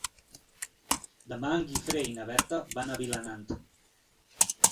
Demà en Guifré i na Berta van a Vilanant.